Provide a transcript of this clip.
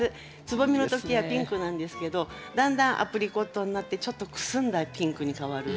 つぼみの時はピンクなんですけどだんだんアプリコットになってちょっとくすんだピンクに変わる。